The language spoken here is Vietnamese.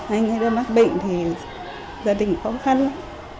anh ấy đã mắc bệnh thì gia đình khó khăn lắm